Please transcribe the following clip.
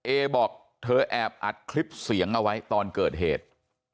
เอบอกเธอแอบอัดคลิปเสียงเอาไว้ตอนเกิดเหตุ